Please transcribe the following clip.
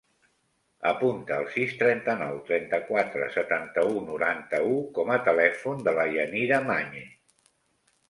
Apunta el sis, trenta-nou, trenta-quatre, setanta-u, noranta-u com a telèfon de la Yanira Mañe.